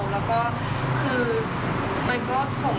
แล้วก็คือส่งผลกระทบที่ไม่ดีต่อเราเลย